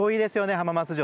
浜松城